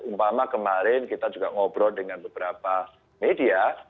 umpama kemarin kita juga ngobrol dengan beberapa media